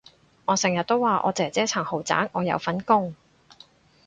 我成日都話我姐姐層豪宅我有份供